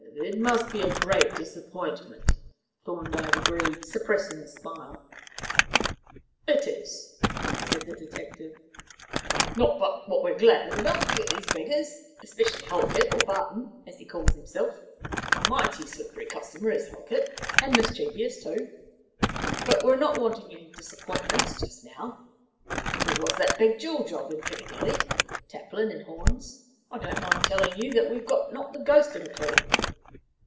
"It must be a great disappointment," Thorndyke agreed, suppressing a smile. "It is," said the detective. "Not but what we're glad enough to get these beggars, especially Halkett, or Barton, as he calls himself a mighty slippery customer is Halkett, and mischievous, too but we're not wanting any disappointments just now. There was that big jewel job in Piccadilly, Taplin and Horne's; I don't mind telling you that we've not got the ghost of a clue.